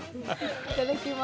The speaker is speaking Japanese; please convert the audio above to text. いただきます。